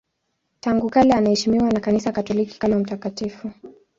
Tangu kale anaheshimiwa na Kanisa Katoliki kama mtakatifu.